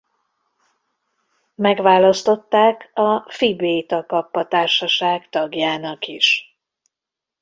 Megválasztották a Phi Beta Kappa Társaság tagjának is.